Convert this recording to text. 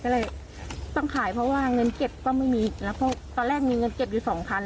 ก็เลยต้องขายเพราะว่าเงินเก็บก็ไม่มีแล้วก็ตอนแรกมีเงินเก็บอยู่สองพัน